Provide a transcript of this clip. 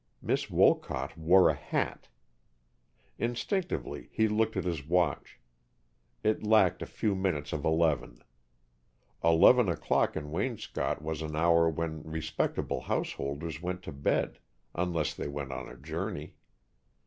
Miss Wolcott wore a hat. Instinctively he looked at his watch. It lacked a few minutes of eleven. Eleven o'clock in Waynscott was an hour when respectable householders went to bed, unless they went on a journey.